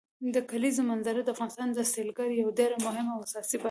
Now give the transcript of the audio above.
د کلیزو منظره د افغانستان د سیلګرۍ یوه ډېره مهمه او اساسي برخه ده.